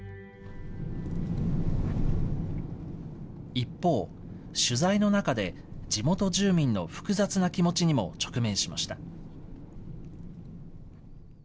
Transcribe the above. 一方、取材の中で、地元住民の複雑な気持ちにも直面しました。